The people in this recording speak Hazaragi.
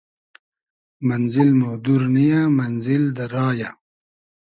مئنزیل مۉ دور نییۂ مئنزیل دۂ را یۂ